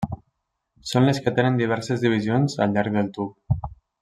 Són les que tenen diverses divisions al llarg del tub.